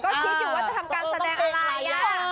ก็คิดอยู่ว่าจะทำการแสดงอะไร